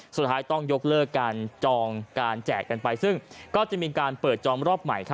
สุดท้ายต้องยกเลิกการจองการแจกกันไปซึ่งก็จะมีการเปิดจองรอบใหม่